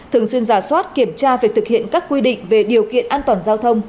thường xuyên giả soát kiểm tra việc thực hiện các quy định về điều kiện an toàn giao thông